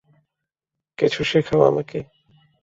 কিছু শেখাও আমাকে।